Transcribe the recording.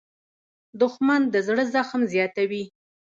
دښمن د زړه زخم زیاتوي